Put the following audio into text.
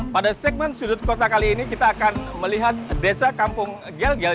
pada segmen sudut kota kali ini kita akan melihat desa kampung gel gel